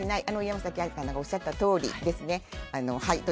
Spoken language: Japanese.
山崎アナがおっしゃったとおりです。